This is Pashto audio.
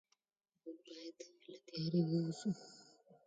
موږ باید له تیارې ووځو.